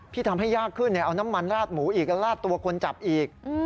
ที่ทำให้ยากขึ้นเอาน้ำมันราดหมูอีกแล้วลาดตัวคนจับอีก